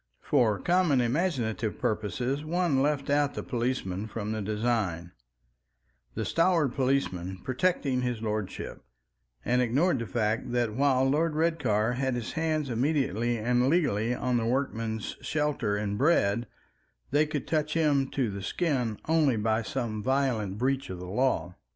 For common imaginative purposes one left out the policeman from the design, the stalwart policeman protecting his lordship, and ignored the fact that while Lord Redcar had his hands immediately and legally on the workman's shelter and bread, they could touch him to the skin only by some violent breach of the law.